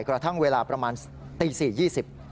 กระทั่งเวลาประมาณตี๔๒๐